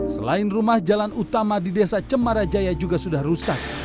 selain rumah jalan utama di desa cemarajaya juga sudah rusak